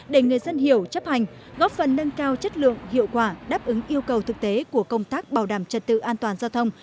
để người dân hiểu chấp hành góp phần nâng cao chất lượng hiệu quả đáp ứng yêu cầu thực tế của công tác bảo đảm trật tự an toàn giao thông